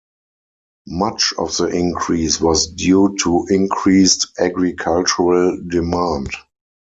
Much of the increase was due to increased agricultural demand.